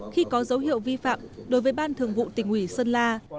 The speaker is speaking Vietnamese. khi có dấu hiệu vi phạm đối với ban thường vụ tỉnh ủy sơn la